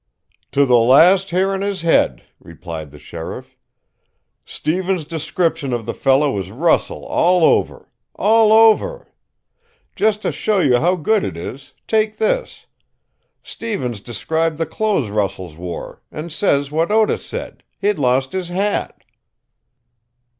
"To the last hair on his head!" replied the sheriff. "Stevens' description of the fellow is Russell all over all over! Just to show you how good it is, take this: Stevens describe the clothes Russell wore, and says what Otis said: he'd lost his hat."